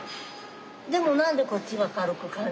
でもなんでこっちが軽く感じるの？